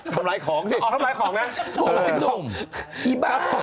ทำลายของสิอ๋อทำลายของนะ